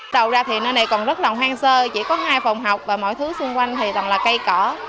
đầu ra thì nơi này còn rất là hoang sơ chỉ có hai phòng học và mọi thứ xung quanh thì là cây cỏ